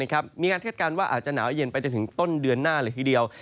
มีการคาดการณ์ว่าอาจจะหนาวเย็นไปจนถึงต้นเดือนหน้าเลยทีเดียว